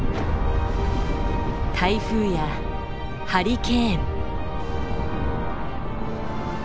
台風やハリケーン。